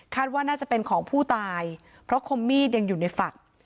ว่าน่าจะเป็นของผู้ตายเพราะคมมีดยังอยู่ในฝัก